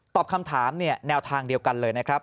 ตอบคำถามแนวทางเดียวกันเลยนะครับ